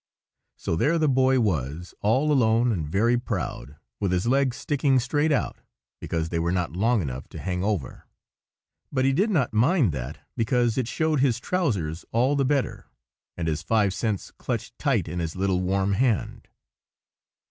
So there the Boy was, all alone and very proud, with his legs sticking straight out, because they were not long enough to hang over,—but he did not mind that, because it showed his trousers all the better,—and his five cents clutched tight in his little warm hand.